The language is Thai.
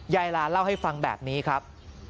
ยายลาเล่าให้ฟังแบบนี้ครับ